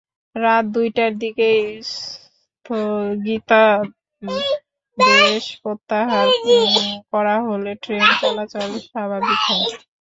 রাত দুইটার দিকে স্থগিতাদেশ প্রত্যাহার করা হলে ট্রেন চলাচল স্বাভাবিক হয়।